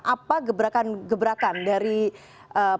apa gebrakan gebrakan dari pangkostrat yang terjadi